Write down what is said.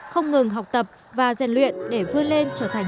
không ngừng học tập và rèn luyện để vươn lên trở thành